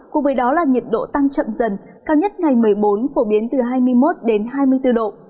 cùng với đó là nhiệt độ tăng chậm dần cao nhất ngày một mươi bốn phổ biến từ hai mươi một hai mươi bốn độ